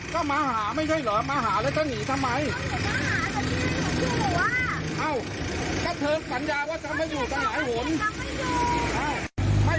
ก็มาหาไม่ใช่เหรอมาหาแล้วจะหนีทำไม